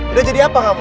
udah jadi apa kamu